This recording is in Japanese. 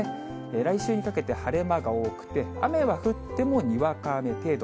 来週にかけて晴れ間が多くて、雨は降っても、にわか雨程度。